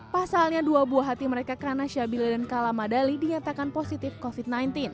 pasalnya dua buah hati mereka karena syabila dan kala madali dinyatakan positif covid sembilan belas